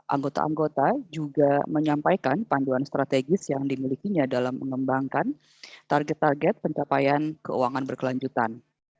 anggota anggota juga menyampaikan panduan strategis yang dimilikinya dalam mengembangkan target target pencapaian keuangan berkelanjutan